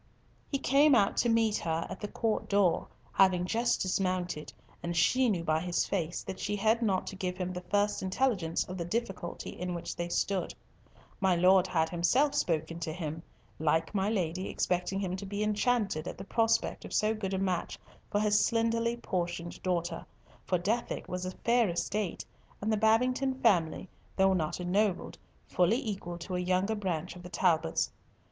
He came out to meet her at the court door, having just dismounted, and she knew by his face that she had not to give him the first intelligence of the difficulty in which they stood. My Lord had himself spoken to him, like my Lady expecting him to be enchanted at the prospect of so good a match for his slenderly portioned daughter, for Dethick was a fair estate, and the Babington family, though not ennobled, fully equal to a younger branch of the Talbots.